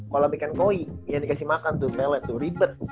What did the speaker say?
kalau ikan koi yang dikasih makan tuh melet tuh ribet